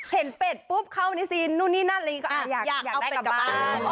เห็นเป็ดปุ๊บเขาในศีลนู่นนี่นั่นอยากได้กลับบ้าน